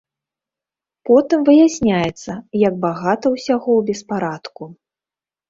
Потым выясняецца, як багата ўсяго ў беспарадку.